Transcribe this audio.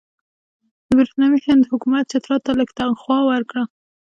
د برټانوي هند حکومت چترال ته لږه تنخوا ورکوله.